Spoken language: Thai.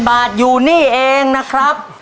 ๑๐๐๐๐บาทอยู่นี่เองนะครับ